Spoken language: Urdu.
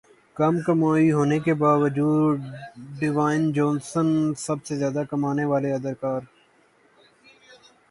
کم کمائی ہونے کے باوجود ڈیوائن جونسن سب سے زیادہ کمانے والے اداکار